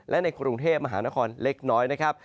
และในกรุงเทพมหานครเล็กน้อยนะครับ